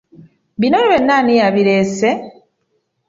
Bino byonna ani yabireese?